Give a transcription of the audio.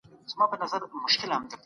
د مؤمن عزت په تقوا او لمونځ کي دی.